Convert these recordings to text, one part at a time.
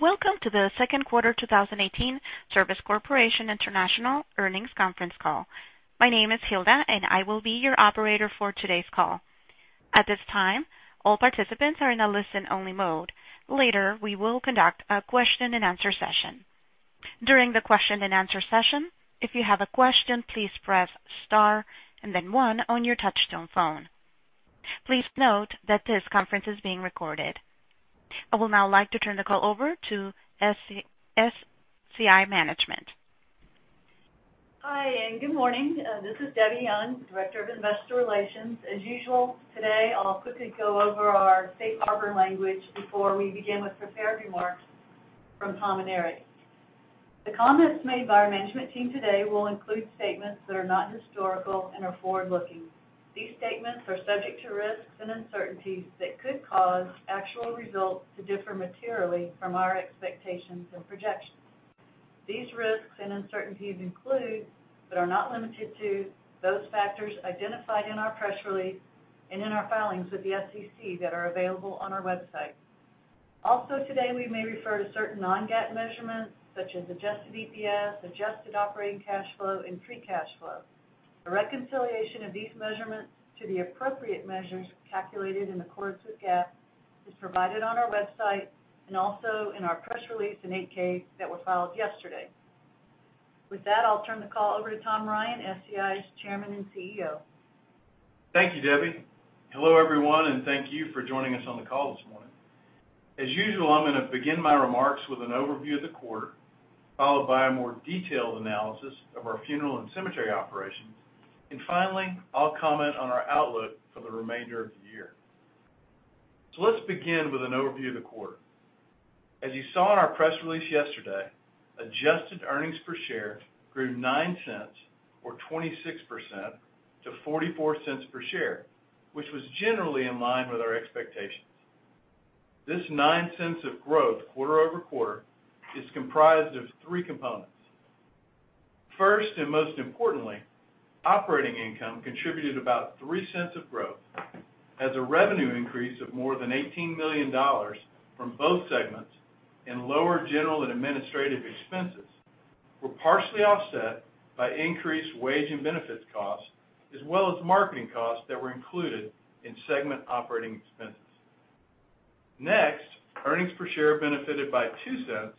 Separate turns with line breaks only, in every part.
Welcome to the second quarter 2018 Service Corporation International earnings conference call. My name is Hilda, and I will be your operator for today's call. At this time, all participants are in a listen-only mode. Later, we will conduct a question and answer session. During the question and answer session, if you have a question, please press star and then one on your touchtone phone. Please note that this conference is being recorded. I would now like to turn the call over to SCI management.
Hi, good morning. This is Debbie Young, Director of Investor Relations. As usual, today, I'll quickly go over our safe harbor language before we begin with prepared remarks from Tom and Eric. The comments made by our management team today will include statements that are not historical and are forward-looking. These statements are subject to risks and uncertainties that could cause actual results to differ materially from our expectations and projections. These risks and uncertainties include, but are not limited to, those factors identified in our press release and in our filings with the SEC that are available on our website. Also today, we may refer to certain non-GAAP measurements such as adjusted EPS, adjusted operating cash flow, and free cash flow. A reconciliation of these measurements to the appropriate measures calculated in accordance with GAAP is provided on our website and also in our press release in 8-K that was filed yesterday. With that, I'll turn the call over to Tom Ryan, SCI's Chairman and CEO.
Thank you, Debbie. Hello, everyone, thank you for joining us on the call this morning. As usual, I'm going to begin my remarks with an overview of the quarter, followed by a more detailed analysis of our funeral and cemetery operations. Finally, I'll comment on our outlook for the remainder of the year. Let's begin with an overview of the quarter. As you saw in our press release yesterday, adjusted earnings per share grew $0.09 or 26% to $0.44 per share, which was generally in line with our expectations. This $0.09 of growth quarter-over-quarter is comprised of three components. First, and most importantly, operating income contributed about $0.03 of growth as a revenue increase of more than $18 million from both segments and lower general and administrative expenses were partially offset by increased wage and benefits costs as well as marketing costs that were included in segment operating expenses. Next, earnings per share benefited by $0.02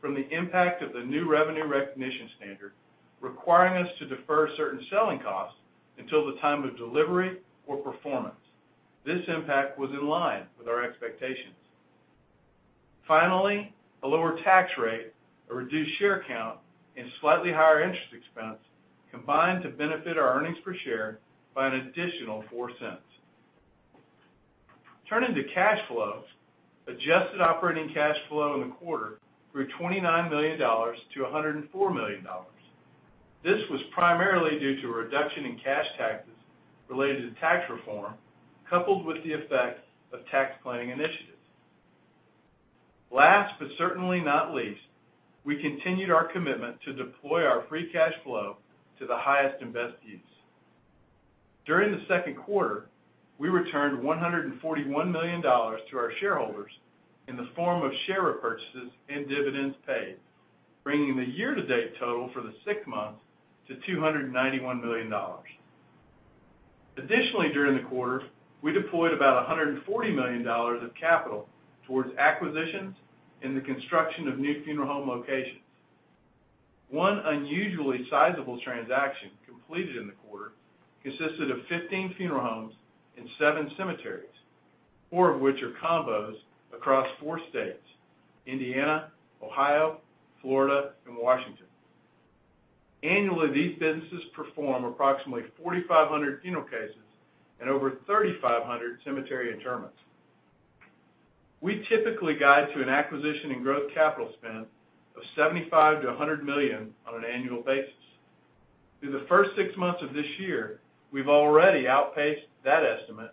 from the impact of the new revenue recognition standard, requiring us to defer certain selling costs until the time of delivery or performance. This impact was in line with our expectations. Finally, a lower tax rate, a reduced share count, and slightly higher interest expense combined to benefit our earnings per share by an additional $0.04. Turning to cash flows, adjusted operating cash flow in the quarter grew $29 million to $104 million. This was primarily due to a reduction in cash taxes related to tax reform, coupled with the effect of tax planning initiatives. Last but certainly not least, we continued our commitment to deploy our free cash flow to the highest and best use. During the second quarter, we returned $141 million to our shareholders in the form of share repurchases and dividends paid, bringing the year-to-date total for the six months to $291 million. Additionally, during the quarter, we deployed about $140 million of capital towards acquisitions and the construction of new funeral home locations. One unusually sizable transaction completed in the quarter consisted of 15 funeral homes and 7 cemeteries, 4 of which are combos across 4 states: Indiana, Ohio, Florida, and Washington. Annually, these businesses perform approximately 4,500 funeral cases and over 3,500 cemetery interments. We typically guide to an acquisition and growth capital spend of $75 million-$100 million on an annual basis. Through the first 6 months of this year, we've already outpaced that estimate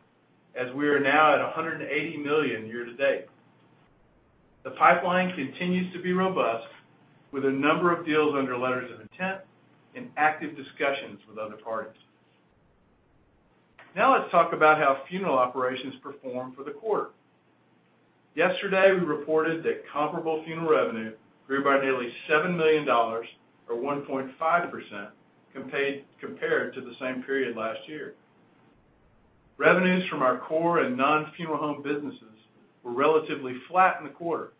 as we are now at $180 million year to date. The pipeline continues to be robust, with a number of deals under letters of intent and active discussions with other parties. Now let's talk about how funeral operations performed for the quarter. Yesterday, we reported that comparable funeral revenue grew by nearly $7 million or 1.5% compared to the same period last year. Revenues from our core and non-funeral home businesses were relatively flat in the quarter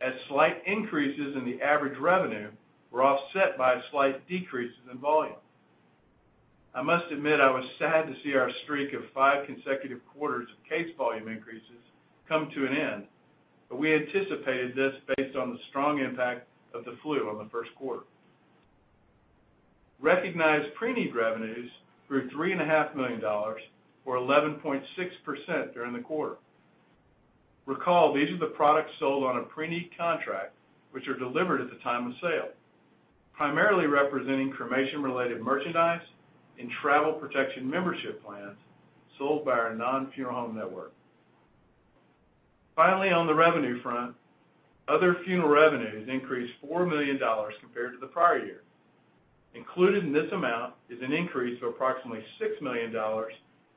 as slight increases in the average revenue were offset by slight decreases in volume. I must admit I was sad to see our streak of 5 consecutive quarters of case volume increases come to an end, but we anticipated this based on the strong impact of the flu on the first quarter. Recognized preneed revenues grew $3.5 million or 11.6% during the quarter. Recall, these are the products sold on a preneed contract, which are delivered at the time of sale, primarily representing cremation-related merchandise and Away From Home Protection plans sold by our non-funeral home network. Finally, on the revenue front, other funeral revenues increased $4 million compared to the prior year. Included in this amount is an increase of approximately $6 million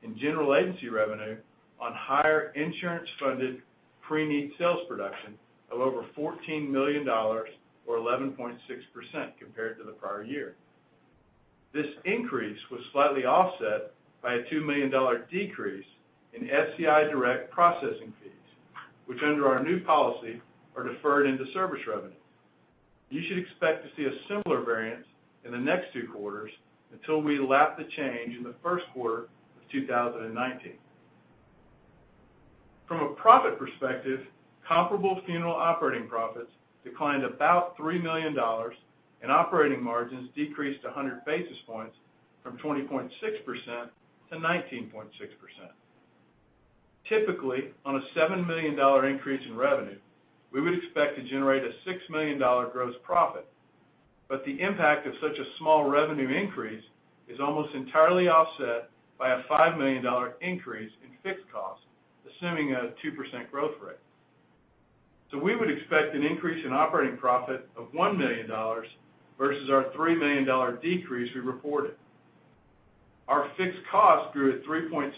in general agency revenue on higher insurance-funded preneed sales production of over $14 million, or 11.6% compared to the prior year. This increase was slightly offset by a $2 million decrease in SCI Direct processing fees, which under our new policy are deferred into service revenue. You should expect to see a similar variance in the next two quarters until we lap the change in the first quarter of 2019. From a profit perspective, comparable funeral operating profits declined about $3 million, and operating margins decreased 100 basis points from 20.6% to 19.6%. Typically, on a $7 million increase in revenue, we would expect to generate a $6 million gross profit. The impact of such a small revenue increase is almost entirely offset by a $5 million increase in fixed costs, assuming a 2% growth rate. We would expect an increase in operating profit of $1 million versus our $3 million decrease we reported. Our fixed costs grew at 3.7%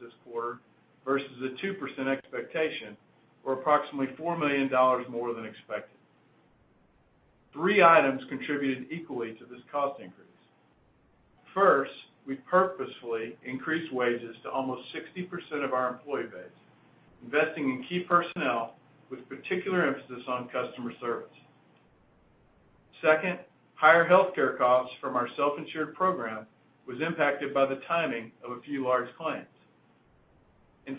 this quarter versus a 2% expectation, or approximately $4 million more than expected. Three items contributed equally to this cost increase. First, we purposefully increased wages to almost 60% of our employee base, investing in key personnel with particular emphasis on customer service. Second, higher healthcare costs from our self-insured program was impacted by the timing of a few large claims.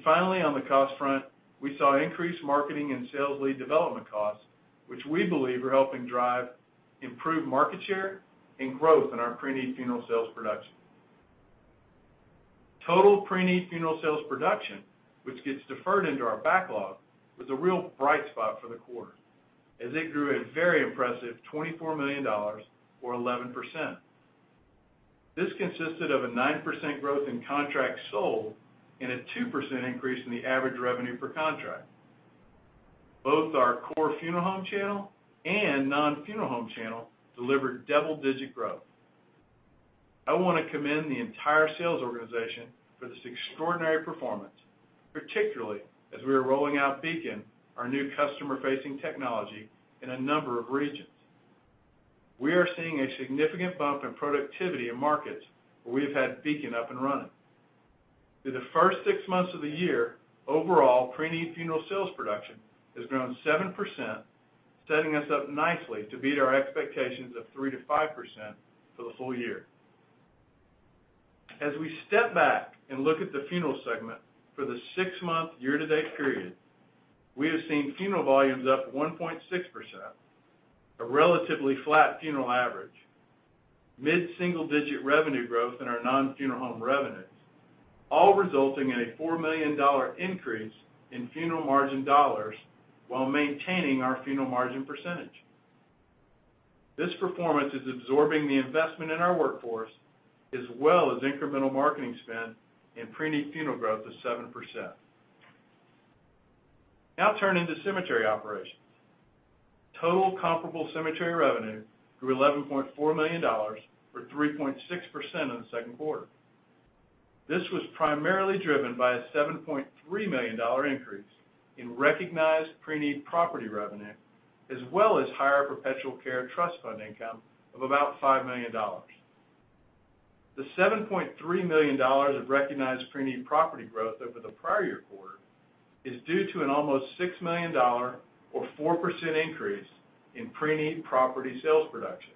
Finally, on the cost front, we saw increased marketing and sales lead development costs, which we believe are helping drive improved market share and growth in our preneed funeral sales production. Total preneed funeral sales production, which gets deferred into our backlog, was a real bright spot for the quarter, as it grew a very impressive $24 million or 11%. This consisted of a 9% growth in contracts sold and a 2% increase in the average revenue per contract. Both our core funeral home channel and non-funeral home channel delivered double-digit growth. I want to commend the entire sales organization for this extraordinary performance, particularly as we are rolling out Beacon, our new customer-facing technology in a number of regions. We are seeing a significant bump in productivity in markets where we have had Beacon up and running. Through the first six months of the year, overall preneed funeral sales production has grown 7%, setting us up nicely to beat our expectations of 3%-5% for the full year. As we step back and look at the funeral segment for the six-month year-to-date period, we have seen funeral volumes up 1.6%, a relatively flat funeral average, mid-single-digit revenue growth in our non-funeral home revenues, all resulting in a $4 million increase in funeral margin dollars while maintaining our funeral margin percentage. This performance is absorbing the investment in our workforce, as well as incremental marketing spend and preneed funeral growth of 7%. Turning to cemetery operations. Total comparable cemetery revenue grew $11.4 million or 3.6% in the second quarter. This was primarily driven by a $7.3 million increase in recognized preneed property revenue, as well as higher perpetual care trust fund income of about $5 million. The $7.3 million of recognized preneed property growth over the prior year quarter is due to an almost $6 million or 4% increase in preneed property sales production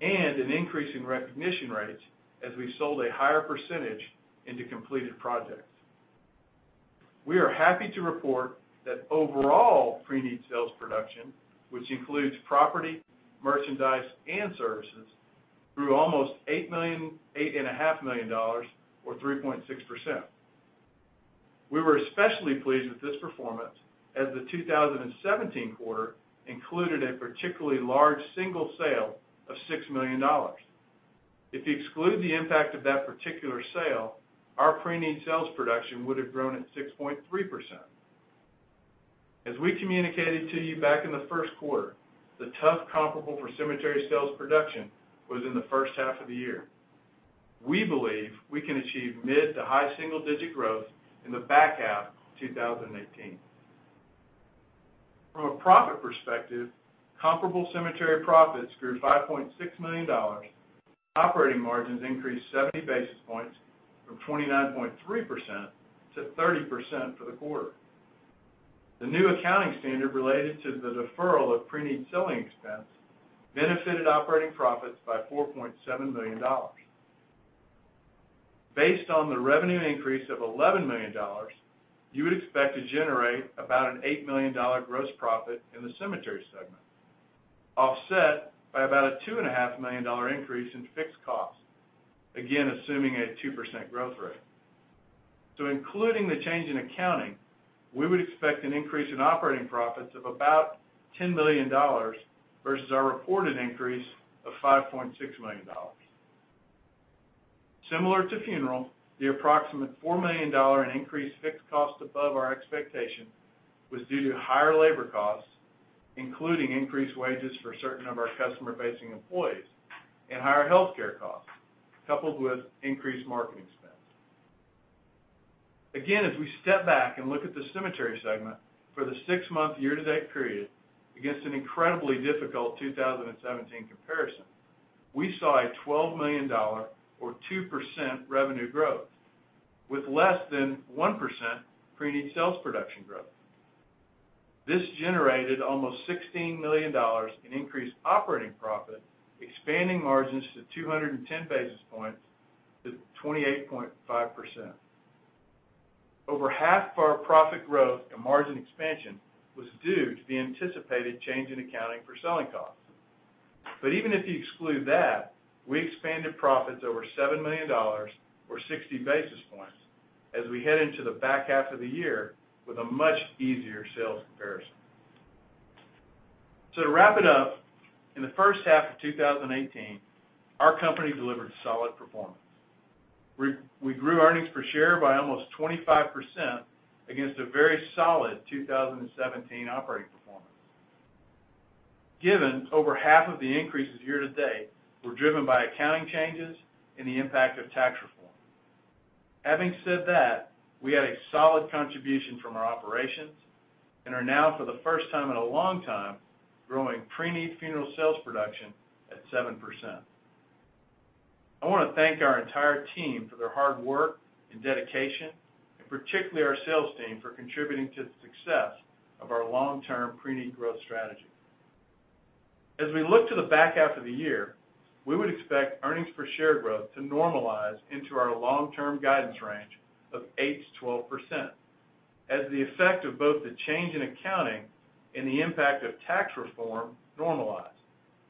and an increase in recognition rates as we sold a higher percentage into completed projects. We are happy to report that overall preneed sales production, which includes property, merchandise, and services, grew almost $8.5 million or 3.6%. We were especially pleased with this performance as the 2017 quarter included a particularly large single sale of $6 million. If you exclude the impact of that particular sale, our pre-need sales production would have grown at 6.3%. As we communicated to you back in the first quarter, the tough comparable for cemetery sales production was in the first half of the year. We believe we can achieve mid to high single-digit growth in the back half of 2018. From a profit perspective, comparable cemetery profits grew $5.6 million. Operating margins increased 70 basis points from 29.3% to 30% for the quarter. The new accounting standard related to the deferral of pre-need selling expense benefited operating profits by $4.7 million. Based on the revenue increase of $11 million, you would expect to generate about an $8 million gross profit in the cemetery segment, offset by about a $2.5 million increase in fixed costs, again, assuming a 2% growth rate. Including the change in accounting, we would expect an increase in operating profits of about $10 million versus our reported increase of $5.6 million. Similar to funeral, the approximate $4 million in increased fixed cost above our expectation was due to higher labor costs, including increased wages for a certain number of customer-facing employees, and higher healthcare costs, coupled with increased marketing spends. As we step back and look at the cemetery segment for the six-month year-to-date period against an incredibly difficult 2017 comparison, we saw a $12 million or 2% revenue growth with less than 1% pre-need sales production growth. This generated almost $16 million in increased operating profit, expanding margins to 210 basis points to 28.5%. Over half our profit growth and margin expansion was due to the anticipated change in accounting for selling costs. Even if you exclude that, we expanded profits over $7 million, or 60 basis points, as we head into the back half of the year with a much easier sales comparison. To wrap it up, in the first half of 2018, our company delivered solid performance. We grew earnings per share by almost 25% against a very solid 2017 operating performance. Given over half of the increases year-to-date were driven by accounting changes and the impact of tax reform. Having said that, we had a solid contribution from our operations and are now, for the first time in a long time, growing pre-need funeral sales production at 7%. I want to thank our entire team for their hard work and dedication, and particularly our sales team for contributing to the success of our long-term pre-need growth strategy. As we look to the back half of the year, we would expect earnings per share growth to normalize into our long-term guidance range of 8%-12%, as the effect of both the change in accounting and the impact of tax reform normalize,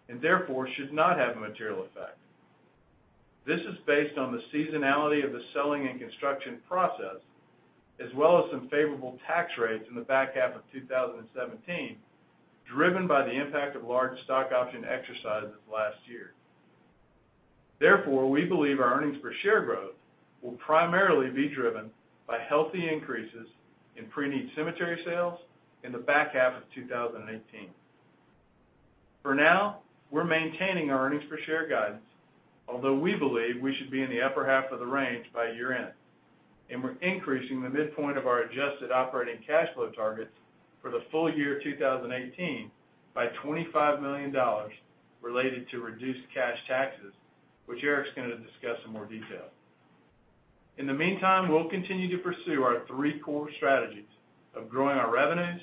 and therefore should not have a material effect. This is based on the seasonality of the selling and construction process, as well as some favorable tax rates in the back half of 2017, driven by the impact of large stock option exercises last year. Therefore, we believe our earnings per share growth will primarily be driven by healthy increases in pre-need cemetery sales in the back half of 2018. For now, we're maintaining our earnings per share guidance, although we believe we should be in the upper half of the range by year-end, and we're increasing the midpoint of our adjusted operating cash flow targets for the full year 2018 by $25 million related to reduced cash taxes, which Eric's going to discuss in more detail. In the meantime, we'll continue to pursue our three core strategies of growing our revenues,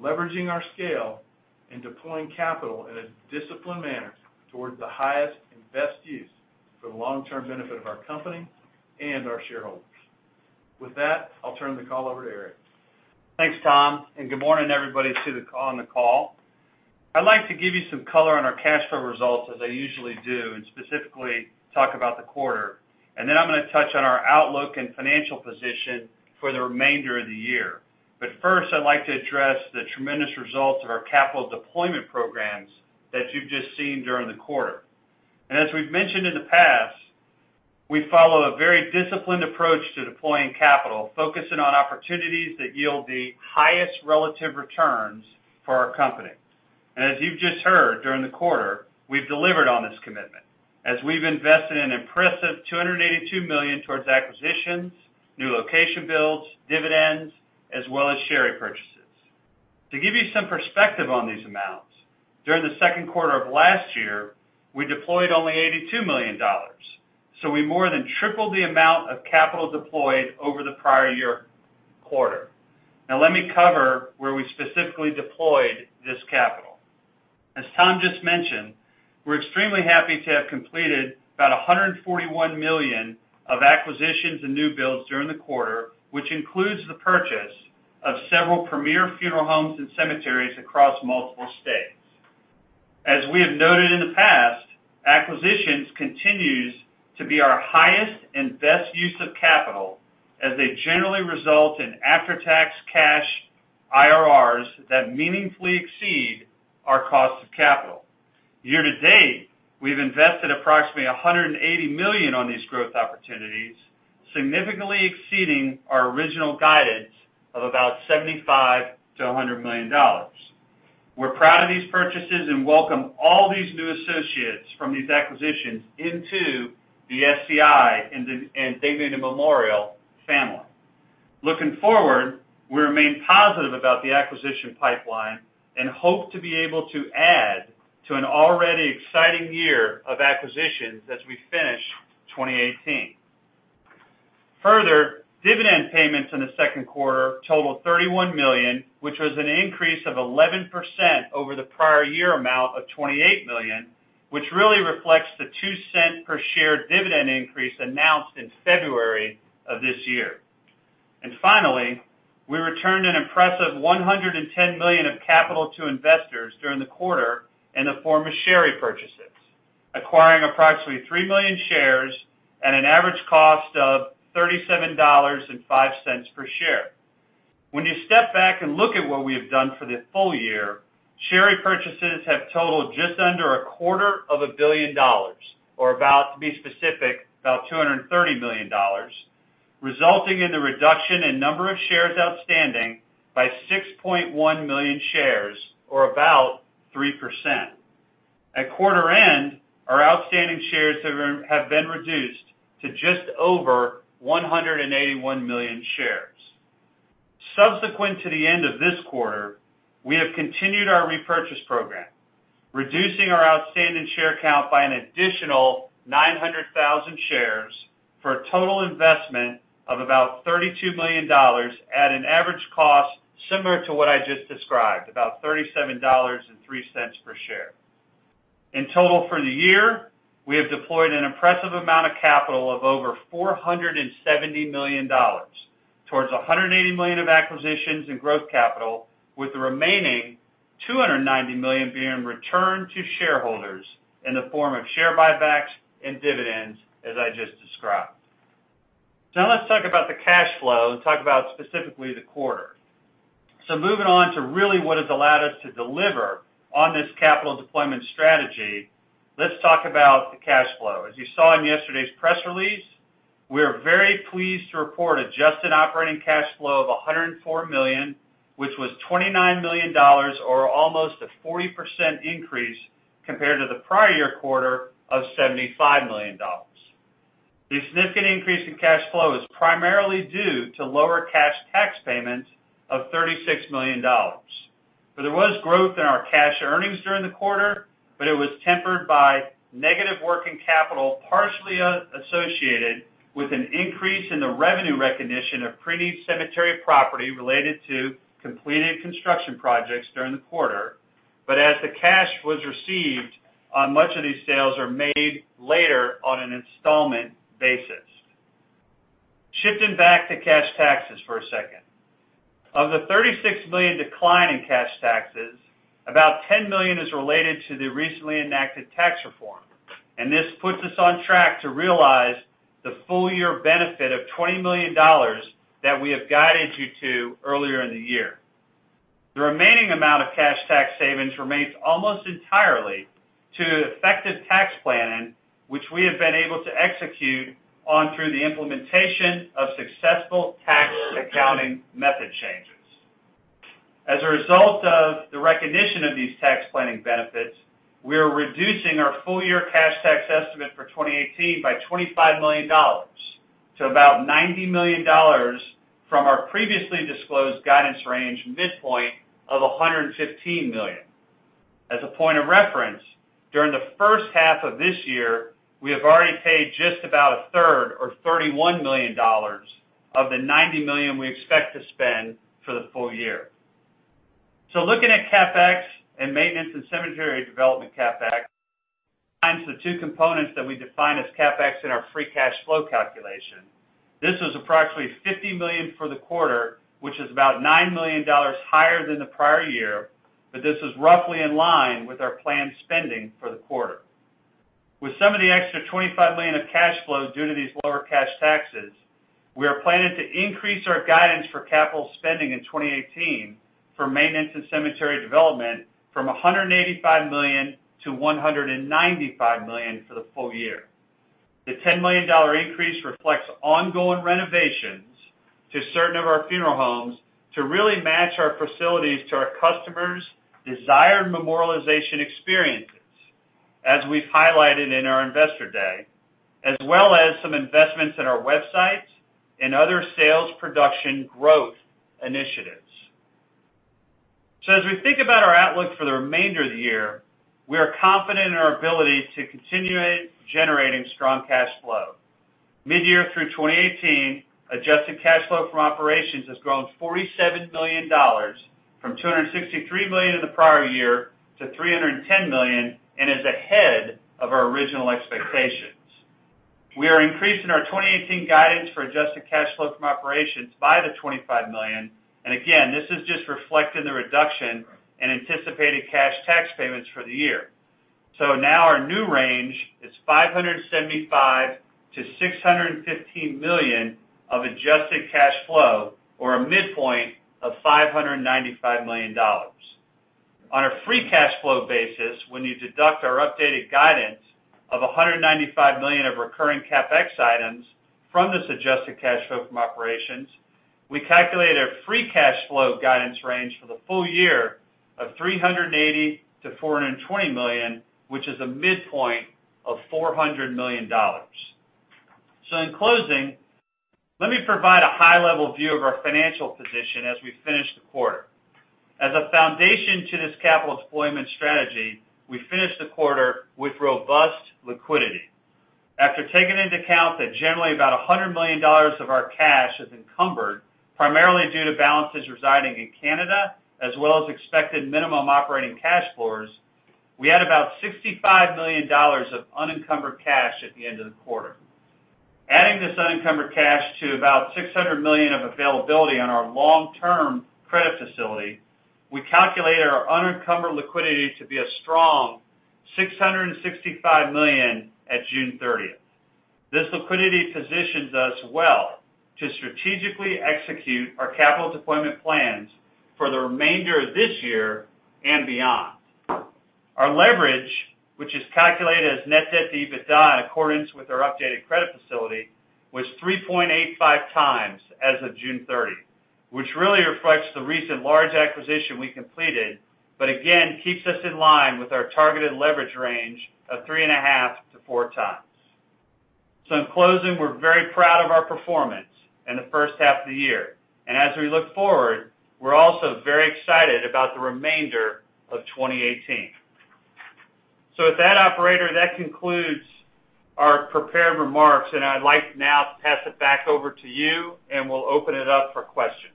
leveraging our scale, and deploying capital in a disciplined manner towards the highest and best use for the long-term benefit of our company and our shareholders. With that, I'll turn the call over to Eric.
Thanks, Tom, good morning everybody on the call. I'd like to give you some color on our cash flow results as I usually do, specifically talk about the quarter. Then I'm going to touch on our outlook and financial position for the remainder of the year. First, I'd like to address the tremendous results of our capital deployment programs that you've just seen during the quarter. As we've mentioned in the past, we follow a very disciplined approach to deploying capital, focusing on opportunities that yield the highest relative returns for our company. As you've just heard, during the quarter, we've delivered on this commitment as we've invested an impressive $282 million towards acquisitions, new location builds, dividends, as well as share repurchases. To give you some perspective on these amounts, during the second quarter of last year, we deployed only $82 million. We more than tripled the amount of capital deployed over the prior year quarter. Now let me cover where we specifically deployed this capital. As Tom just mentioned, we're extremely happy to have completed about $141 million of acquisitions and new builds during the quarter, which includes the purchase of several premier funeral homes and cemeteries across multiple states. As we have noted in the past, acquisitions continues to be our highest and best use of capital, as they generally result in after-tax cash IRRs that meaningfully exceed our cost of capital. Year to date, we've invested approximately $180 million on these growth opportunities, significantly exceeding our original guidance of about $75 million-$100 million. We're proud of these purchases and welcome all these new associates from these acquisitions into the SCI and the Dignity Memorial family. Looking forward, we remain positive about the acquisition pipeline and hope to be able to add to an already exciting year of acquisitions as we finish 2018. Further, dividend payments in the second quarter totaled $31 million, which was an increase of 11% over the prior year amount of $28 million, which really reflects the $0.02 per share dividend increase announced in February of this year. Finally, we returned an impressive $110 million of capital to investors during the quarter in the form of share repurchases, acquiring approximately 3 million shares at an average cost of $37.05 per share. When you step back and look at what we have done for the full year, share repurchases have totaled just under a quarter of a billion dollars, or to be specific, about $230 million, resulting in the reduction in number of shares outstanding by 6.1 million shares or about 3%. At quarter end, our outstanding shares have been reduced to just over 181 million shares. Subsequent to the end of this quarter, we have continued our repurchase program, reducing our outstanding share count by an additional 900,000 shares for a total investment of about $32 million at an average cost similar to what I just described, about $37.03 per share. In total for the year, we have deployed an impressive amount of capital of over $470 million towards $180 million of acquisitions and growth capital, with the remaining $290 million being returned to shareholders in the form of share buybacks and dividends, as I just described. Let's talk about the cash flow and talk about specifically the quarter. Moving on to really what has allowed us to deliver on this capital deployment strategy, let's talk about the cash flow. As you saw in yesterday's press release, we are very pleased to report adjusted operating cash flow of $104 million, which was $29 million, or almost a 40% increase compared to the prior year quarter of $75 million. The significant increase in cash flow is primarily due to lower cash tax payments of $36 million. There was growth in our cash earnings during the quarter, but it was tempered by negative working capital, partially associated with an increase in the revenue recognition of preneed cemetery property related to completed construction projects during the quarter. But as the cash was received on much of these sales are made later on an installment basis. Shifting back to cash taxes for a second. Of the $36 million decline in cash taxes, about $10 million is related to the recently enacted tax reform, and this puts us on track to realize the full year benefit of $20 million that we have guided you to earlier in the year. The remaining amount of cash tax savings remains almost entirely to effective tax planning, which we have been able to execute on through the implementation of successful tax accounting method changes. As a result of the recognition of these tax planning benefits, we are reducing our full year cash tax estimate for 2018 by $25 million to about $90 million from our previously disclosed guidance range midpoint of $115 million. As a point of reference, during the first half of this year, we have already paid just about a third or $31 million of the $90 million we expect to spend for the full year. Looking at CapEx and maintenance and cemetery development CapEx, times the two components that we define as CapEx in our free cash flow calculation. This is approximately $50 million for the quarter, which is about $9 million higher than the prior year, but this is roughly in line with our planned spending for the quarter. With some of the extra $25 million of cash flow due to these lower cash taxes, we are planning to increase our guidance for capital spending in 2018 for maintenance and cemetery development from $185 million to $195 million for the full year. The $10 million increase reflects ongoing renovations to certain of our funeral homes to really match our facilities to our customers' desired memorialization experiences, as we've highlighted in our investor day, as well as some investments in our websites and other sales production growth initiatives. As we think about our outlook for the remainder of the year, we are confident in our ability to continue generating strong cash flow. Mid-year through 2018, adjusted cash flow from operations has grown $47 million from $263 million in the prior year to $310 million and is ahead of our original expectations. We are increasing our 2018 guidance for adjusted cash flow from operations by the $25 million. Again, this is just reflecting the reduction in anticipated cash tax payments for the year. Now our new range is $575 million to $615 million of adjusted cash flow, or a midpoint of $595 million. On a free cash flow basis, when you deduct our updated guidance of $195 million of recurring CapEx items from this adjusted cash flow from operations, we calculate a free cash flow guidance range for the full year of $380 million to $420 million, which is a midpoint of $400 million. In closing, let me provide a high-level view of our financial position as we finish the quarter. As a foundation to this capital deployment strategy, we finished the quarter with robust liquidity. After taking into account that generally about $100 million of our cash is encumbered primarily due to balances residing in Canada as well as expected minimum operating cash floors, we had about $65 million of unencumbered cash at the end of the quarter. Adding this unencumbered cash to about $600 million of availability on our long-term credit facility, we calculate our unencumbered liquidity to be a strong $665 million at June 30. This liquidity positions us well to strategically execute our capital deployment plans for the remainder of this year and beyond. Our leverage, which is calculated as net debt to EBITDA in accordance with our updated credit facility, was 3.85 times as of June 30, which really reflects the recent large acquisition we completed, but again, keeps us in line with our targeted leverage range of 3.5 to 4 times. In closing, we're very proud of our performance in the first half of the year. As we look forward, we're also very excited about the remainder of 2018. With that operator, that concludes our prepared remarks, and I'd like now to pass it back over to you, and we'll open it up for questions.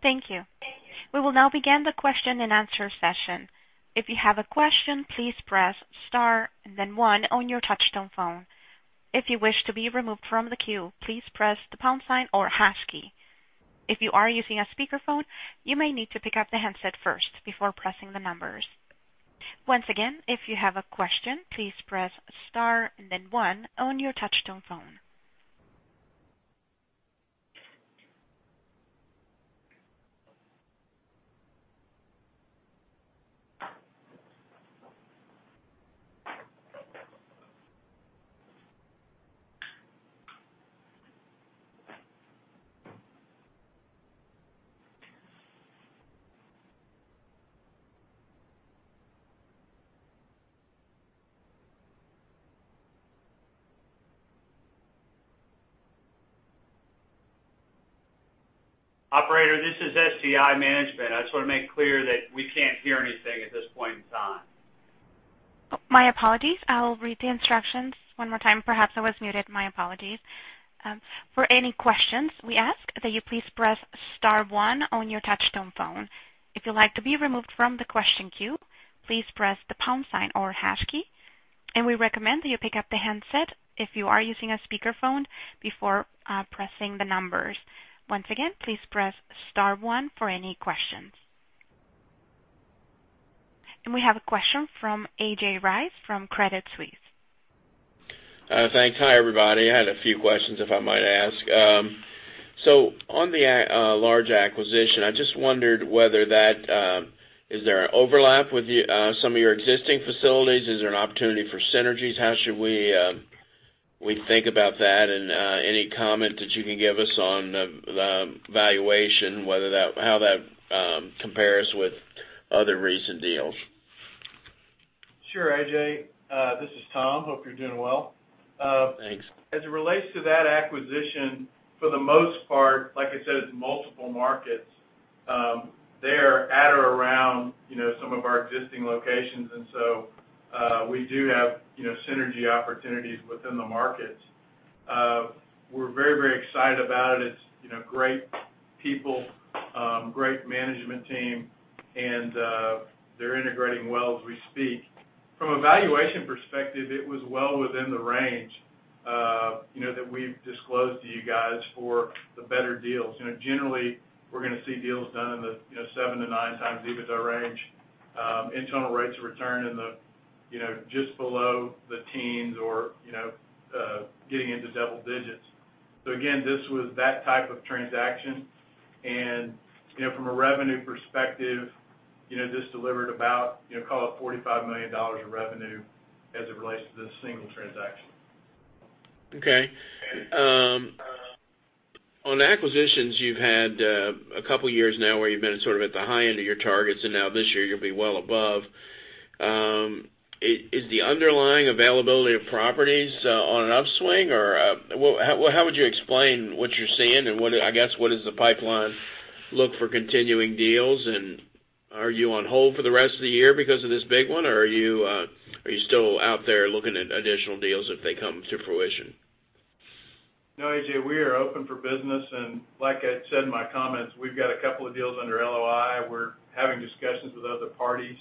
Thank you. We will now begin the question and answer session. If you have a question, please press star, and then 1 on your touch tone phone. If you wish to be removed from the queue, please press the pound sign or hash key. If you are using a speakerphone, you may need to pick up the handset first before pressing the numbers. Once again, if you have a question, please press star and then 1 on your touch tone phone.
Operator, this is SCI Management. I just want to make clear that we can't hear anything at this point in time.
My apologies. I'll read the instructions 1 more time. Perhaps I was muted. My apologies. For any questions, we ask that you please press star 1 on your touch tone phone. If you'd like to be removed from the question queue, please press the pound sign or hash key, and we recommend that you pick up the handset if you are using a speakerphone before pressing the numbers. Once again, please press star 1 for any questions. We have a question from A.J. Rice from Credit Suisse.
Thanks. Hi, everybody. I had a few questions, if I might ask. On the large acquisition, I just wondered whether that. Is there an overlap with some of your existing facilities? Is there an opportunity for synergies? How should we think about that? Any comment that you can give us on the valuation, how that compares with other recent deals?
Sure, A.J. This is Tom. Hope you're doing well.
Thanks.
As it relates to that acquisition, for the most part, like I said, it's multiple markets. They are at or around some of our existing locations, we do have synergy opportunities within the markets. We're very excited about it. It's great people, great management team, and they're integrating well as we speak. From a valuation perspective, it was well within the range that we've disclosed to you guys for the better deals. Generally, we're going to see deals done in the 7 to 9x EBITDA range. Internal Rates of Return in just below the teens or getting into double digits. Again, this was that type of transaction. From a revenue perspective, this delivered about, call it $45 million of revenue as it relates to this single transaction.
Okay. On acquisitions, you've had a couple of years now where you've been at sort of at the high end of your targets, now this year you'll be well above. Is the underlying availability of properties on an upswing, or how would you explain what you're seeing and what is the pipeline look for continuing deals? Are you on hold for the rest of the year because of this big one, or are you still out there looking at additional deals if they come to fruition?
No, A.J., we are open for business, and like I said in my comments, we've got a couple of deals under LOI. We're having discussions with other parties.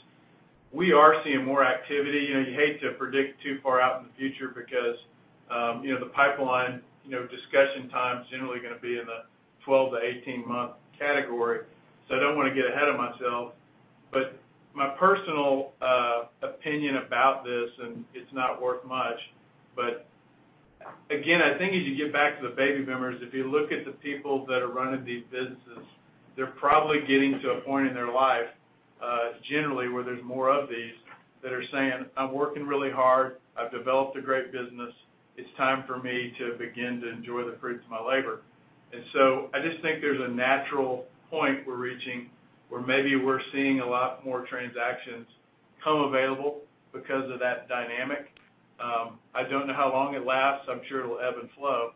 We are seeing more activity. You hate to predict too far out in the future because the pipeline discussion time is generally gonna be in the 12 to 18-month category. I don't want to get ahead of myself. My personal opinion about this, and it's not worth much, but again, I think as you get back to the baby boomers, if you look at the people that are running these businesses, they're probably getting to a point in their life, generally, where there's more of these that are saying, "I'm working really hard. I've developed a great business. It's time for me to begin to enjoy the fruits of my labor." I just think there's a natural point we're reaching where maybe we're seeing a lot more transactions come available because of that dynamic. I don't know how long it lasts. I'm sure it'll ebb and flow.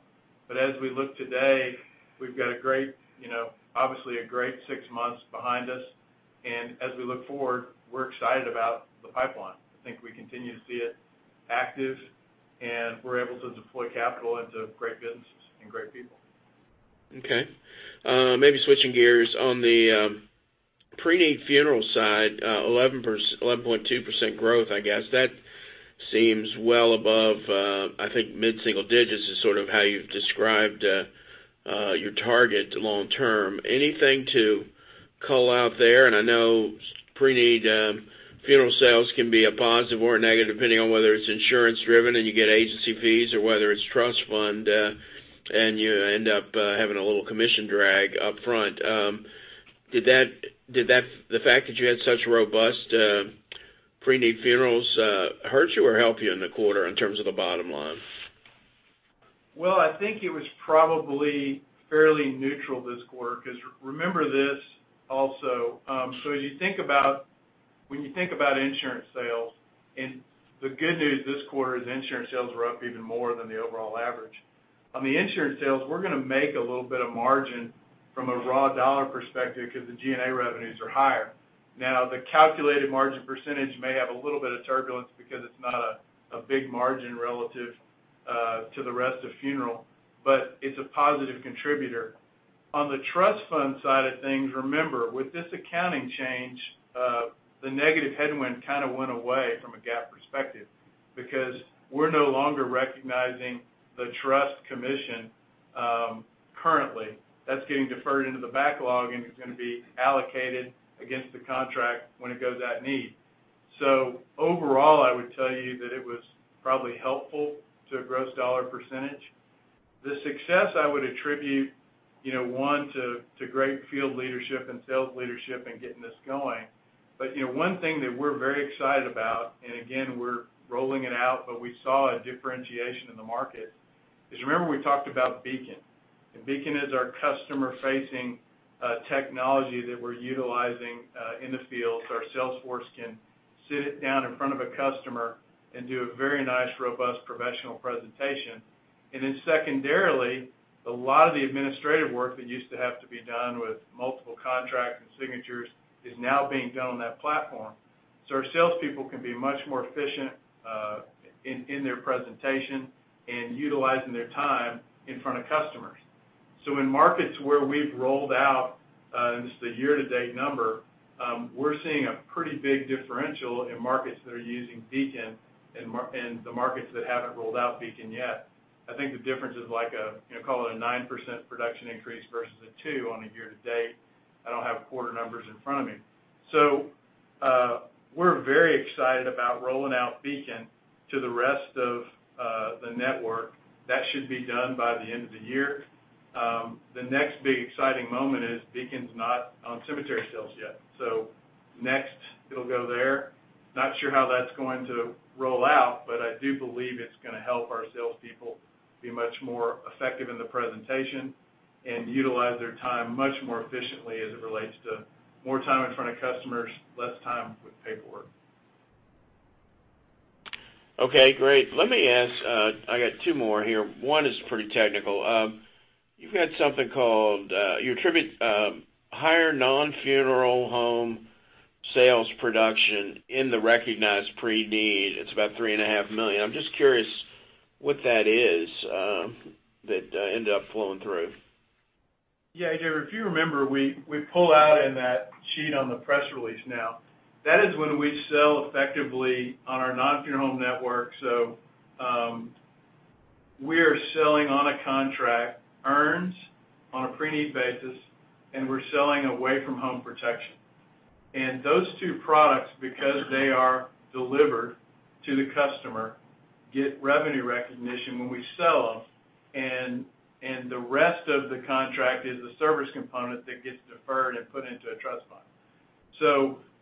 As we look today, we've got obviously a great 6 months behind us, and as we look forward, we're excited about the pipeline. I think we continue to see it active, and we're able to deploy capital into great businesses and great people.
Okay. Maybe switching gears. On the preneed funeral side, 11.2% growth, I guess. That seems well above, I think mid-single digits is sort of how you've described your target long term. Anything to call out there? I know preneed funeral sales can be a positive or a negative, depending on whether it's insurance-driven and you get agency fees or whether it's trust fund, and you end up having a little commission drag upfront. Did the fact that you had such robust preneed funerals hurt you or help you in the quarter in terms of the bottom line?
Well, I think it was probably fairly neutral this quarter, because remember this also, when you think about insurance sales, and the good news this quarter is insurance sales were up even more than the overall average. On the insurance sales, we're going to make a little bit of margin from a raw dollar perspective because the G&A revenues are higher. Now, the calculated margin percentage may have a little bit of turbulence because it's not a big margin relative to the rest of funeral, but it's a positive contributor. On the trust fund side of things, remember, with this accounting change, the negative headwind kind of went away from a GAAP perspective because we're no longer recognizing the trust commission, currently. That's getting deferred into the backlog, and it's going to be allocated against the contract when it goes at need. Overall, I would tell you that it was probably helpful to gross dollar percentage. The success I would attribute, one, to great field leadership and sales leadership in getting this going. One thing that we're very excited about, and again, we're rolling it out, but we saw a differentiation in the market is, remember we talked about Beacon, and Beacon is our customer-facing technology that we're utilizing in the field, so our sales force can sit down in front of a customer and do a very nice, robust, professional presentation. Then secondarily, a lot of the administrative work that used to have to be done with multiple contracts and signatures is now being done on that platform. Our salespeople can be much more efficient in their presentation and utilizing their time in front of customers. In markets where we've rolled out, and this is the year-to-date number, we're seeing a pretty big differential in markets that are using Beacon and the markets that haven't rolled out Beacon yet. I think the difference is like, call it a 9% production increase versus a 2 on a year-to-date. I don't have quarter numbers in front of me. We're very excited about rolling out Beacon to the rest of the network. That should be done by the end of the year. The next big exciting moment is Beacon's not on cemetery sales yet, next it'll go there. Not sure how that's going to roll out, but I do believe it's going to help our salespeople be much more effective in the presentation and utilize their time much more efficiently as it relates to more time in front of customers, less time with paperwork.
Okay, great. Let me ask, I got two more here. One is pretty technical. You attribute higher non-funeral home sales production in the recognized preneed. It's about three and a half million. I'm just curious what that is that ended up flowing through.
Yeah, if you remember, we pull out in that sheet on the press release now. That is when we sell effectively on our non-funeral home network. We are selling on a contract, earns on a preneed basis, and we're selling Away From Home Protection. Those two products, because they are delivered to the customer, get revenue recognition when we sell them, and the rest of the contract is the service component that gets deferred and put into a trust fund.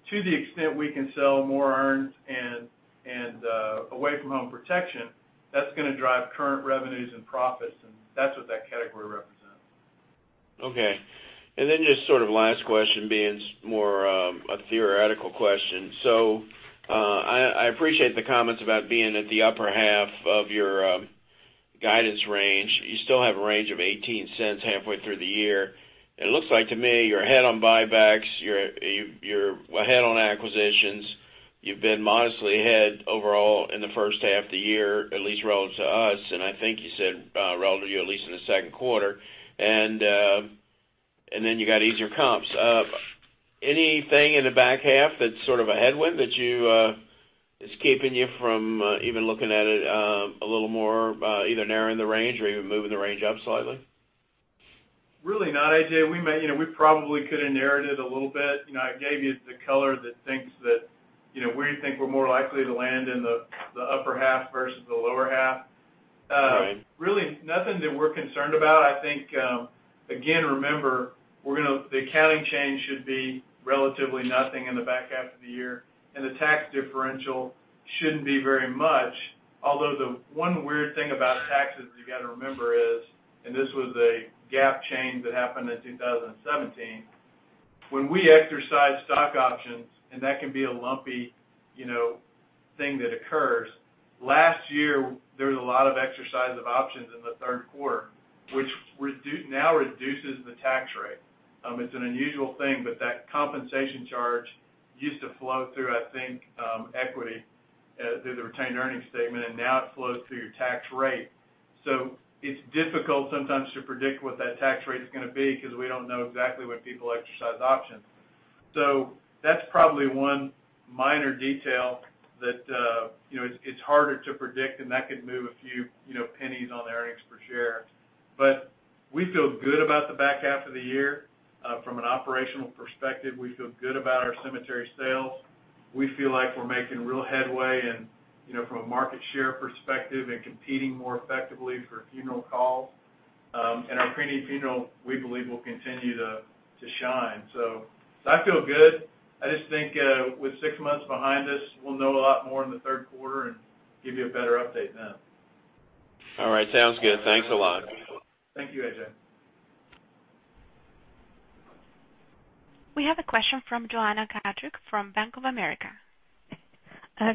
To the extent we can sell more earned and Away From Home Protection, that's going to drive current revenues and profits, and that's what that category represents.
Okay. Then just sort of last question being more of a theoretical question. I appreciate the comments about being at the upper half of your guidance range. You still have a range of $0.18 halfway through the year. It looks like to me you're ahead on buybacks, you're ahead on acquisitions. You've been modestly ahead overall in the first half of the year, at least relative to us, I think you said relative to you at least in the second quarter, then you got easier comps. Anything in the back half that's sort of a headwind that's keeping you from even looking at it a little more, either narrowing the range or even moving the range up slightly?
Really not, A.J. We probably could have narrowed it a little bit. I gave you the color, where you think we're more likely to land in the upper half versus the lower half.
Right.
Really nothing that we're concerned about. I think, again, remember, the accounting change should be relatively nothing in the back half of the year, and the tax differential shouldn't be very much. The one weird thing about taxes you got to remember is, this was a GAAP change that happened in 2017, when we exercise stock options, and that can be a lumpy thing that occurs. Last year, there was a lot of exercise of options in the third quarter, which now reduces the tax rate. It's an unusual thing, but that compensation charge used to flow through, I think, equity through the retained earnings statement, and now it flows through your tax rate. It's difficult sometimes to predict what that tax rate is going to be because we don't know exactly when people exercise options. That's probably one minor detail that it's harder to predict, and that could move a few pennies on earnings per share. We feel good about the back half of the year. From an operational perspective, we feel good about our cemetery sales. We feel like we're making real headway, and from a market share perspective and competing more effectively for funeral calls. Our preneed funeral, we believe, will continue to shine. I feel good. I just think with six months behind us, we'll know a lot more in the third quarter and give you a better update then.
All right. Sounds good. Thanks a lot.
Thank you, A.J.
We have a question from Joanna Gajuk from Bank of America.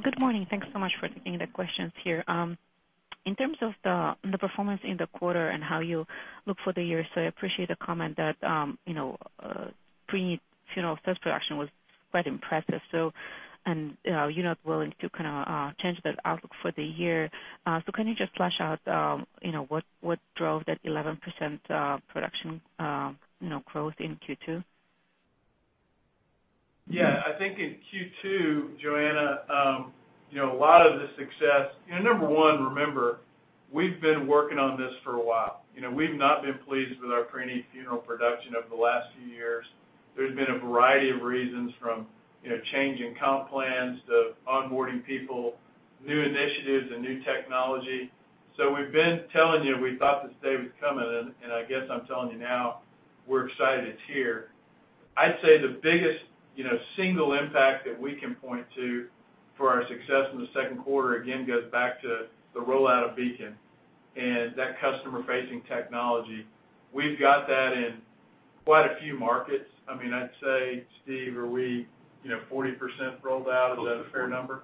Good morning. Thanks so much for taking the questions here. In terms of the performance in the quarter and how you look for the year, I appreciate the comment that preneed funeral sales production was quite impressive. You're not willing to change that outlook for the year. Can you just flesh out what drove that 11% production growth in Q2?
In Q2, Joanna, a lot of the success. Number one, remember, we've been working on this for a while. We've not been pleased with our preneed funeral production over the last few years. There's been a variety of reasons, from changing comp plans to onboarding people, new initiatives, and new technology. We've been telling you, we thought this day was coming, I guess I'm telling you now, we're excited it's here. I'd say the biggest single impact that we can point to for our success in the second quarter, again, goes back to the rollout of Beacon and that customer-facing technology. We've got that in quite a few markets. I'd say, Steve, are we 40% rolled out? Is that a fair number?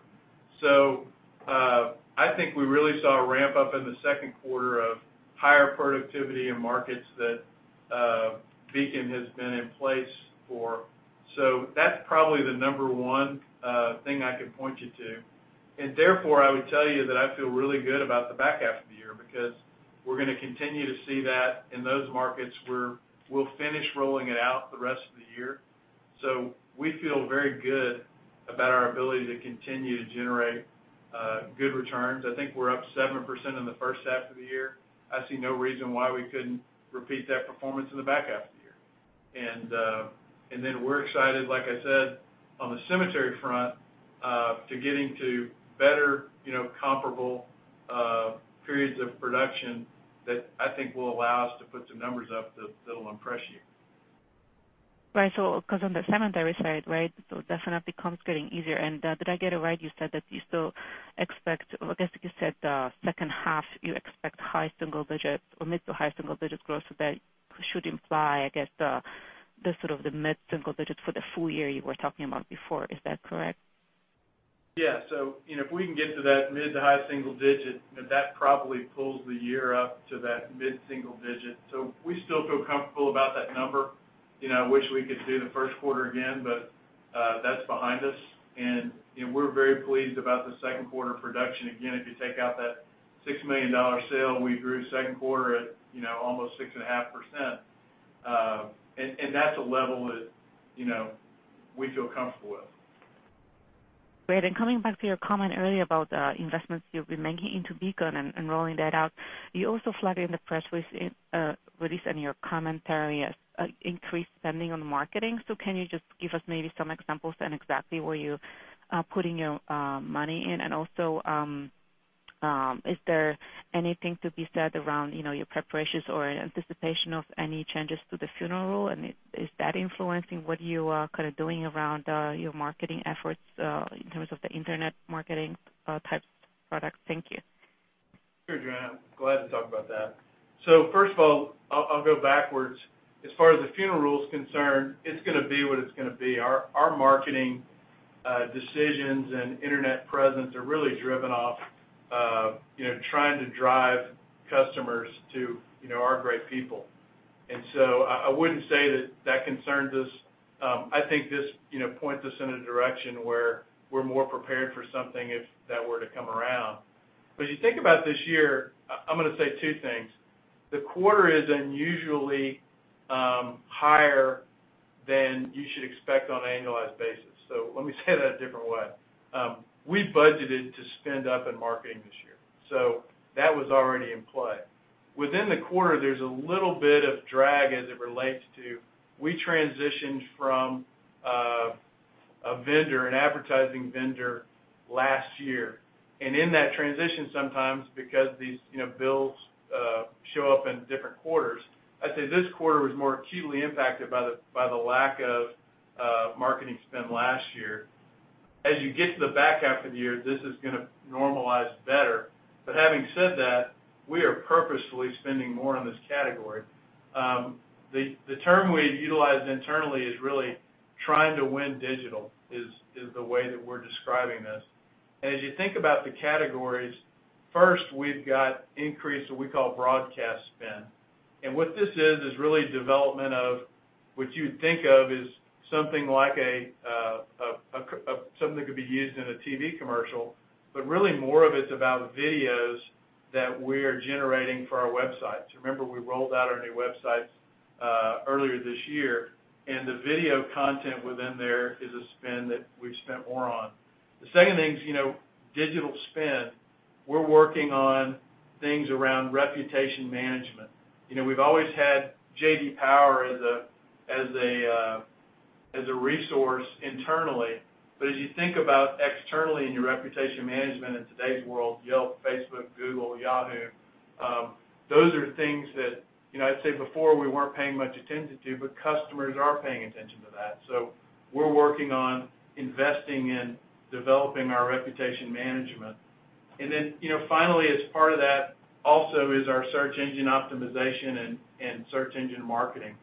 I think we really saw a ramp-up in the second quarter of higher productivity in markets that Beacon has been in place for. That's probably the number one thing I could point you to. Therefore, I would tell you that I feel really good about the back half of the year, because we're going to continue to see that in those markets where we'll finish rolling it out the rest of the year. We feel very good about our ability to continue to generate good returns. I think we're up 7% in the first half of the year. I see no reason why we couldn't repeat that performance in the back half of the year. Then we're excited, like I said, on the cemetery front, to getting to better comparable periods of production that I think will allow us to put some numbers up that'll impress you.
Right. Because on the cemetery side, right? It definitely becomes getting easier. Did I get it right, you said that you still expect, or I guess, like you said, the second half, you expect high single-digit or mid to high single-digit growth. That should imply, I guess, the mid single-digits for the full year you were talking about before. Is that correct?
Yeah. If we can get to that mid to high single-digit, that probably pulls the year up to that mid single-digit. We still feel comfortable about that number. I wish we could do the first quarter again, but that's behind us. We're very pleased about the second quarter production. Again, if you take out that $6 million sale, we grew second quarter at almost 6.5%. That's a level that we feel comfortable with.
Great. Coming back to your comment earlier about the investments you've been making into Beacon and rolling that out, you also flagged in the press release in your commentary increased spending on marketing. Can you just give us maybe some examples and exactly where you are putting your money in? Also, is there anything to be said around your preparations or anticipation of any changes to the Funeral Rule? Is that influencing what you are doing around your marketing efforts in terms of the internet marketing types of products? Thank you.
Sure, Joanna, glad to talk about that. First of all, I'll go backwards. As far as the Funeral Rule is concerned, it's going to be what it's going to be. Our marketing decisions and internet presence are really driven off trying to drive customers to our great people. I wouldn't say that that concerns us. I think this points us in a direction where we're more prepared for something if that were to come around. As you think about this year, I'm going to say two things. The quarter is unusually higher than you should expect on an annualized basis. Let me say that a different way. We budgeted to spend up in marketing this year. That was already in play. Within the quarter, there's a little bit of drag as it relates to, we transitioned from a vendor, an advertising vendor last year. In that transition, sometimes because these bills show up in different quarters, I'd say this quarter was more acutely impacted by the lack of marketing spend last year. As you get to the back half of the year, this is going to normalize better. Having said that, we are purposefully spending more on this category. The term we've utilized internally is really trying to win digital, is the way that we're describing this. As you think about the categories, first, we've got increased, what we call broadcast spend. What this is really development of what you'd think of as something could be used in a TV commercial. Really more of it's about videos that we're generating for our websites. Remember, we rolled out our new websites earlier this year. The video content within there is a spend that we've spent more on. The second thing is digital spend. We're working on things around reputation management. We've always had J.D. Power as a resource internally. As you think about externally in your reputation management in today's world, Yelp, Facebook, Google, Yahoo, those are things that, I'd say before we weren't paying much attention to, but customers are paying attention to that. We're working on investing in developing our reputation management. Then finally, as part of that also is our search engine optimization and search engine marketing.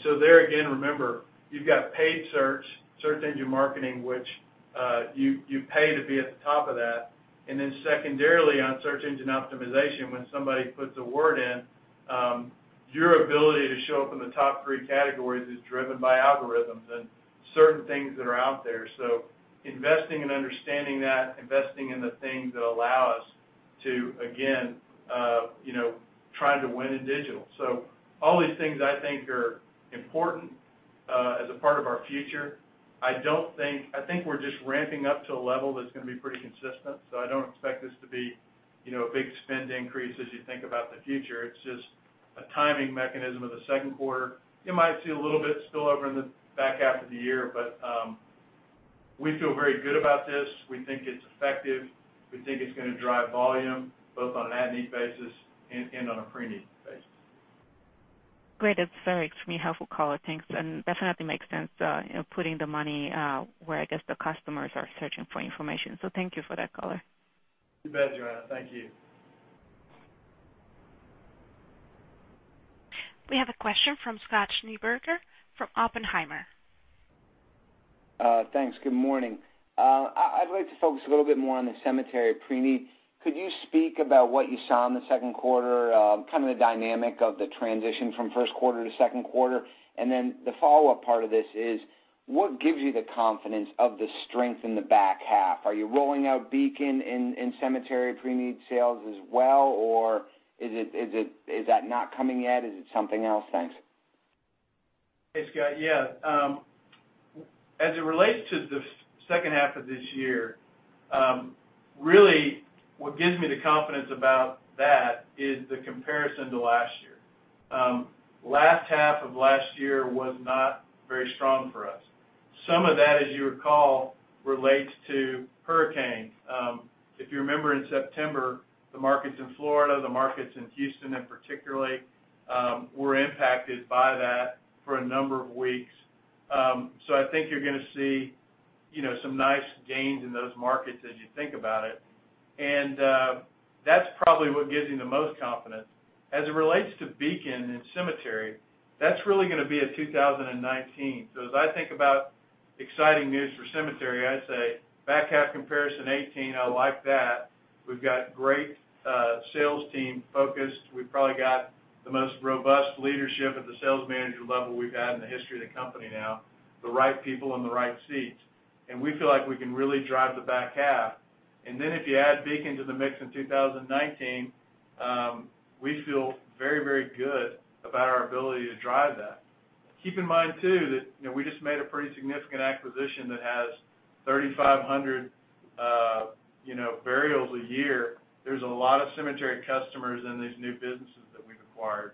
There, again, remember, you've got paid search engine marketing, which you pay to be at the top of that, and then secondarily, on search engine optimization, when somebody puts a word in, your ability to show up in the top 3 categories is driven by algorithms and certain things that are out there. Investing and understanding that, investing in the things that allow us to, again, try to win in digital. All these things I think are important as a part of our future. I think we're just ramping up to a level that's going to be pretty consistent. I don't expect this to be a big spend increase as you think about the future. It's just a timing mechanism of the second quarter. You might see a little bit still over in the back half of the year, but we feel very good about this. We think it's effective. We think it's going to drive volume both on an at-need basis and on a preneed basis.
Great. That's very extremely helpful color. Thanks. Definitely makes sense putting the money where I guess the customers are searching for information. Thank you for that color.
You bet, Joanna. Thank you.
We have a question from Scott Schneeberger from Oppenheimer.
Thanks. Good morning. I'd like to focus a little bit more on the cemetery preneed. Could you speak about what you saw in the second quarter, kind of the dynamic of the transition from first quarter to second quarter? The follow-up part of this is what gives you the confidence of the strength in the back half? Are you rolling out Beacon in cemetery preneed sales as well, or is that not coming yet? Is it something else? Thanks.
Hey, Scott. Yeah. As it relates to the second half of this year, really what gives me the confidence about that is the comparison to last year. Last half of last year was not very strong for us. Some of that, as you recall, relates to hurricanes. If you remember in September, the markets in Florida, the markets in Houston, particularly were impacted by that for a number of weeks. I think you're going to see some nice gains in those markets as you think about it. That's probably what gives me the most confidence. As it relates to Beacon and cemetery, that's really going to be a 2019. As I think about exciting news for cemetery, I'd say back half comparison 2018, I like that. We've got great sales team focused. We've probably got the most robust leadership at the sales manager level we've had in the history of the company now, the right people in the right seats. We feel like we can really drive the back half. If you add Beacon to the mix in 2019, we feel very good about our ability to drive that. Keep in mind, too, that we just made a pretty significant acquisition that has 3,500 burials a year. There's a lot of cemetery customers in these new businesses that we've acquired.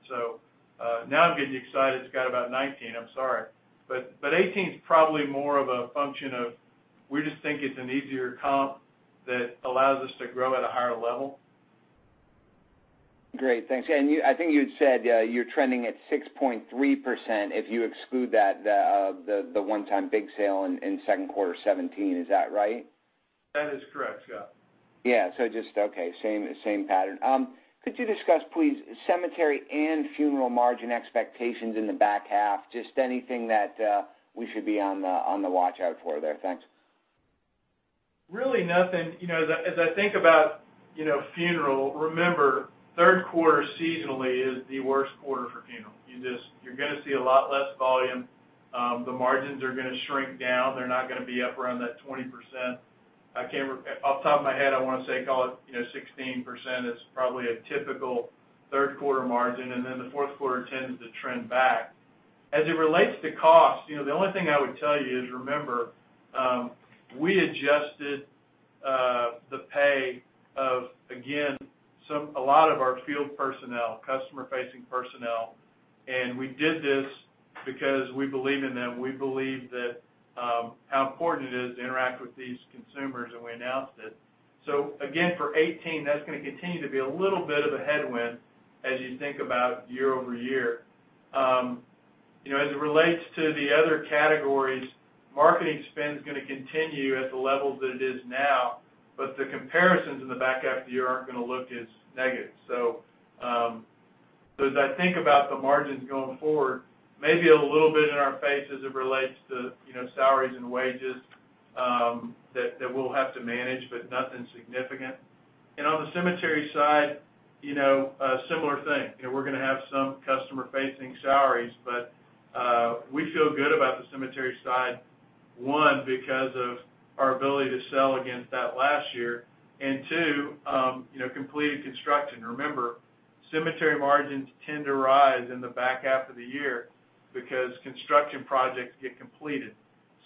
Now I'm getting you excited. It's got about 2019, I'm sorry. 2018 is probably more of a function of, we just think it's an easier comp that allows us to grow at a higher level.
Great. Thanks. I think you had said you're trending at 6.3% if you exclude the one-time big sale in second quarter 2017. Is that right?
That is correct, Scott.
Yeah. Just okay, same pattern. Could you discuss, please, cemetery and funeral margin expectations in the back half? Just anything that we should be on the watch out for there. Thanks.
Really nothing. As I think about funeral, remember, third quarter seasonally is the worst quarter for funeral. You're going to see a lot less volume. The margins are going to shrink down. They're not going to be up around that 20%. Off the top of my head, I want to say, call it 16% is probably a typical third quarter margin, and then the fourth quarter tends to trend back. As it relates to cost, the only thing I would tell you is, remember, we adjusted the pay of, again, a lot of our field personnel, customer-facing personnel, and we did this because we believe in them. We believe how important it is to interact with these consumers, and we announced it. Again, for 2018, that's going to continue to be a little bit of a headwind as you think about year-over-year. As it relates to the other categories, marketing spend is going to continue at the level that it is now, but the comparisons in the back half of the year aren't going to look as negative. As I think about the margins going forward, maybe a little bit in our face as it relates to salaries and wages that we'll have to manage, but nothing significant. On the cemetery side, a similar thing. We're going to have some customer-facing salaries, but we feel good about the cemetery side, one, because of our ability to sell against that last year, and two, completing construction. Remember, cemetery margins tend to rise in the back half of the year because construction projects get completed.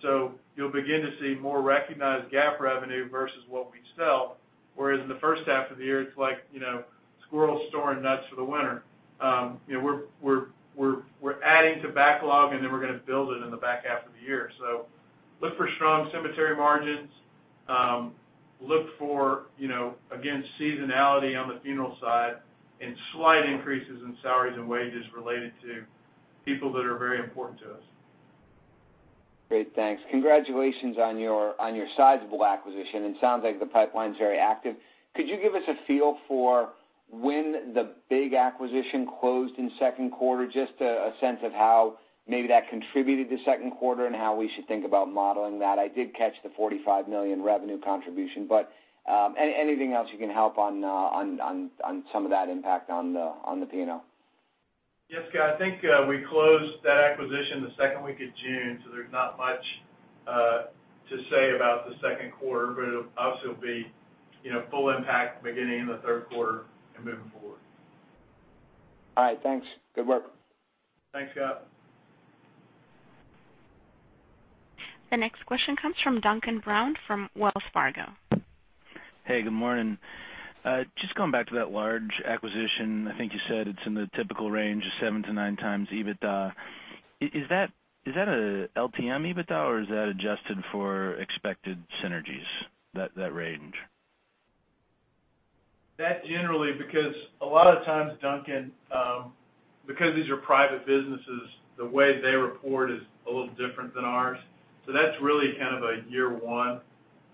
You'll begin to see more recognized GAAP revenue versus what we sell, whereas in the first half of the year, it's like squirrels storing nuts for the winter. We're adding to backlog, and then we're going to build it in the back half of the year. Look for strong cemetery margins. Look for, again, seasonality on the funeral side and slight increases in salaries and wages related to people that are very important to us.
Great. Thanks. Congratulations on your sizable acquisition. It sounds like the pipeline's very active. Could you give us a feel for when the big acquisition closed in second quarter? Just a sense of how maybe that contributed to second quarter and how we should think about modeling that. I did catch the $45 million revenue contribution, but anything else you can help on some of that impact on the P&L?
Yes, Scott, I think we closed that acquisition the second week of June, so there's not much to say about the second quarter, but it'll obviously be full impact beginning in the third quarter and moving forward.
All right, thanks. Good work.
Thanks, Scott.
The next question comes from Duncan Brown from Wells Fargo.
Hey, good morning. Just going back to that large acquisition. I think you said it's in the typical range of 7x-9x EBITDA. Is that an LTM EBITDA, or is that adjusted for expected synergies, that range?
That's generally because a lot of times, Duncan, because these are private businesses, the way they report is a little different than ours. That's really kind of a year one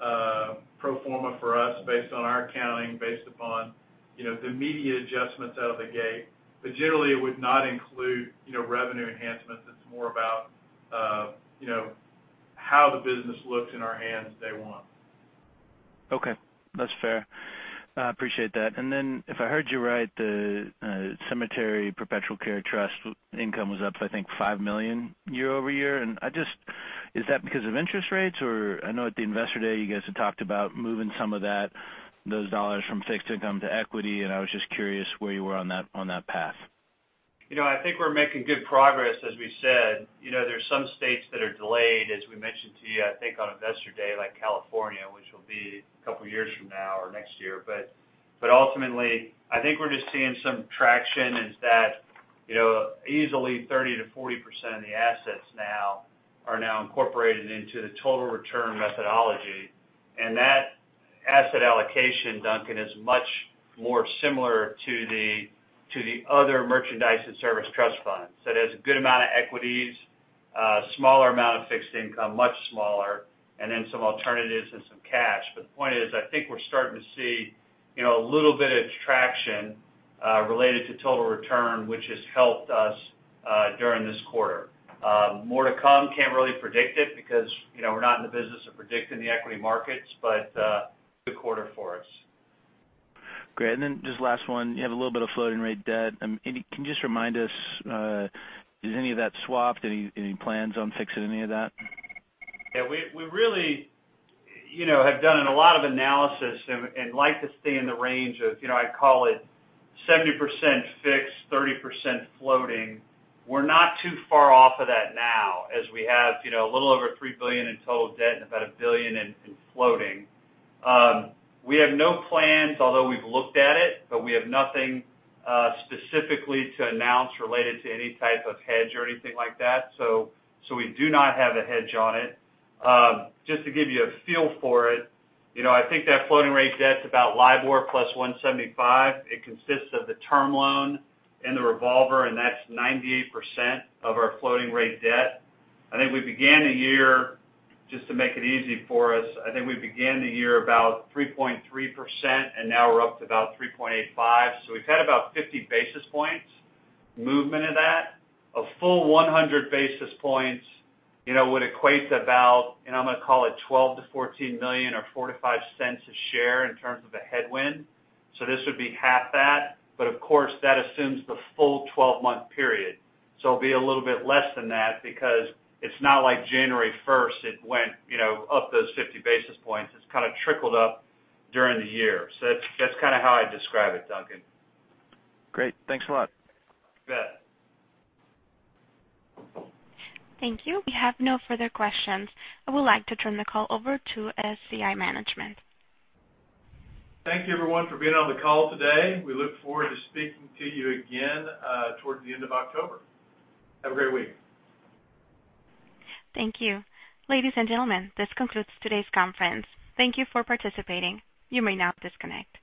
pro forma for us based on our accounting, based upon the immediate adjustments out of the gate. Generally, it would not include revenue enhancements. It's more about how the business looks in our hands day one.
Okay. That's fair. I appreciate that. If I heard you right, the cemetery perpetual care trust income was up, I think, $5 million year-over-year. Is that because of interest rates, or I know at the Investor Day, you guys had talked about moving some of those dollars from fixed income to equity, and I was just curious where you were on that path.
I think we're making good progress. As we said, there's some states that are delayed, as we mentioned to you, I think on Investor Day, like California, which will be a couple years from now or next year. Ultimately, I think we're just seeing some traction is that easily 30%-40% of the assets now are now incorporated into the total return methodology. That asset allocation, Duncan, is much more similar to the other merchandise and service trust funds. It has a good amount of equities, a smaller amount of fixed income, much smaller, and then some alternatives and some cash. The point is, I think we're starting to see a little bit of traction related to total return, which has helped us during this quarter. More to come. Can't really predict it because we're not in the business of predicting the equity markets, but good quarter for us.
Great. Just last one, you have a little bit of floating rate debt. Can you just remind us, is any of that swapped? Any plans on fixing any of that?
We really have done a lot of analysis and like to stay in the range of, I call it 70% fixed, 30% floating. We're not too far off of that now, as we have a little over $3 billion in total debt and about $1 billion in floating. We have no plans, although we've looked at it, but we have nothing specifically to announce related to any type of hedge or anything like that. We do not have a hedge on it. Just to give you a feel for it, I think that floating rate debt's about LIBOR plus 175. It consists of the term loan and the revolver, and that's 98% of our floating rate debt. Just to make it easy for us, I think we began the year about 3.3%, and now we're up to about 3.85%.
We've had about 50 basis points movement of that. A full 100 basis points would equate to about, and I'm going to call it $12 million-$14 million or $0.04 to $0.05 a share in terms of a headwind. This would be half that, but of course, that assumes the full 12-month period. It'll be a little bit less than that because it's not like January 1st, it went up those 50 basis points. It's kind of trickled up during the year. That's kind of how I describe it, Duncan.
Great. Thanks a lot.
You bet.
Thank you. We have no further questions. I would like to turn the call over to SCI management.
Thank you everyone for being on the call today. We look forward to speaking to you again towards the end of October. Have a great week.
Thank you. Ladies and gentlemen, this concludes today's conference. Thank you for participating. You may now disconnect.